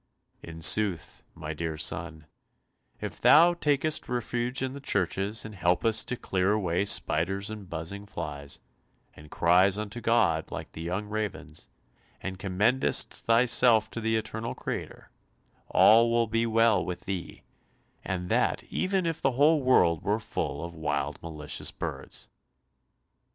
"In sooth, my dear son, if thou takest refuge in the churches and helpest to clear away spiders and buzzing flies, and criest unto God like the young ravens, and commendest thyself to the eternal Creator, all will be well with thee, and that even if the whole world were full of wild malicious birds."